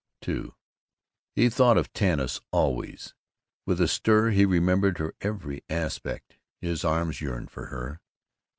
II He thought of Tanis always. With a stir he remembered her every aspect. His arms yearned for her.